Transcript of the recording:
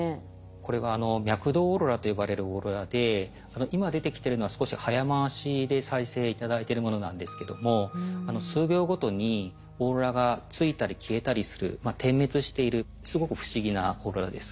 これは脈動オーロラと呼ばれるオーロラで今出てきてるのは少し早回しで再生頂いてるものなんですけども数秒ごとにオーロラがついたり消えたりする点滅しているすごく不思議なオーロラです。